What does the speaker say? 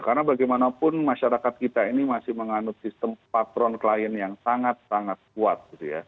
karena bagaimanapun masyarakat kita ini masih menganut sistem patron klien yang sangat sangat kuat